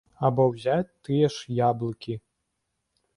Або ўзяць тыя ж яблыкі.